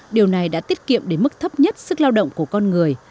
điều này đã tiết kiệm đến mức thấp nhất sức lao động của con người